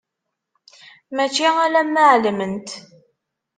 Mačči alamma ɛelment.